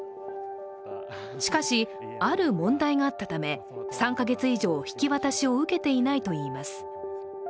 しかし、ある問題があったため３か月以上引き渡しを受けていないといいます。